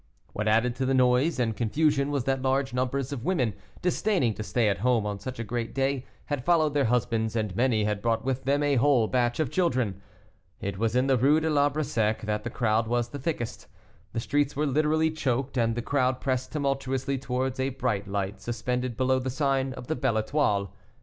What added to the noise and confusion was that large numbers of women, disdaining to stay at home on such a great day, had followed their husbands, and many had brought with them a whole batch of children. It was in the Rue de l'Arbre Sec that the crowd was the thickest. The streets were literally choked, and the crowd pressed tumultuously towards a bright light suspended below the sign of the Belle Etoile.